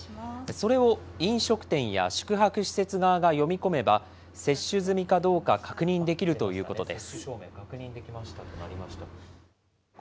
それを飲食店や宿泊施設側が読み込めば、接種済みかどうか確認できるということです。